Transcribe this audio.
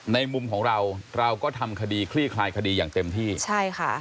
มุมของเราเราก็ทำคดีคลี่คลายคดีอย่างเต็มที่ใช่ค่ะ